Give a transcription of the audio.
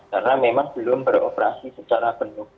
karena memang belum beroperasi secara penuh